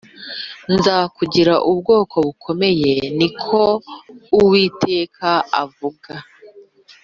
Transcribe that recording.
Nzakugira ubwoko bukomeye ni ko Uwiteka avuga